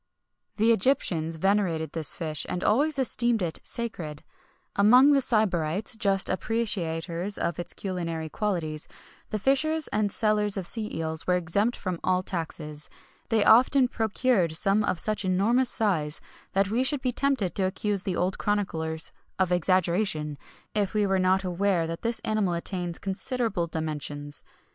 The Egyptians venerated this fish, and always esteemed it sacred.[XXI 72] Among the Sybarites, just appreciators of its culinary qualities, the fishers and sellers of sea eels were exempt from all taxes.[XXI 73] They often procured some of such enormous size, that we should be tempted to accuse the old chroniclers of exaggeration, if we were not aware that this animal attains considerable dimensions.